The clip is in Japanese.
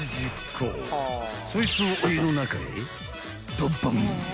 ［そいつをお湯の中へドボン］